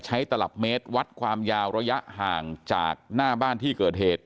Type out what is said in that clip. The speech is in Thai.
ตลับเมตรวัดความยาวระยะห่างจากหน้าบ้านที่เกิดเหตุ